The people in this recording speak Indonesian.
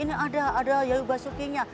ini ada ada yayu basuki nya